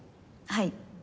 はい。